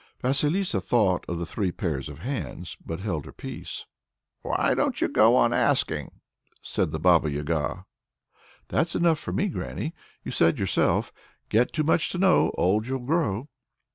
Vasilissa thought of the three pairs of hands, but held her peace. "Why don't you go on asking?" said the Baba Yaga. "That's enough for me, granny. You said yourself, 'Get too much to know, old you'll grow!'"